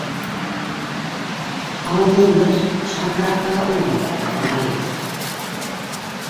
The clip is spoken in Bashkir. Ауылдың бер шантрапаһы ул был Наил.